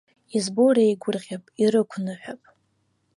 Избо реигәырӷьап, ирықәныҳәап.